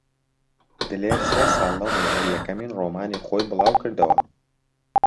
دلێر سێ ساڵ لەمەوبەر یەکەم ڕۆمانی خۆی بڵاو کردەوە.